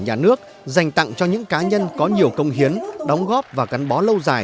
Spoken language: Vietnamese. nhà nước dành tặng cho những cá nhân có nhiều công hiến đóng góp và gắn bó lâu dài